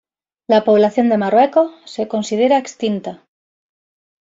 La población de Marruecos se considera extinta.